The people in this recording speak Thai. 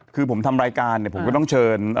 คือผมทำรายการเนี่ยผมก็ต้องเชิญ